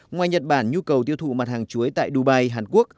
ngoài nhật bản nhu cầu tiêu thụ mặt hàng chuối tại đu bài hàn quốc